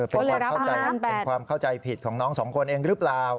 เป็นความเข้าใจผิดของน้องสองคนเองรึเปล่า